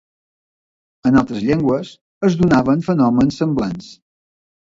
En altres llengües es donaven fenòmens semblants.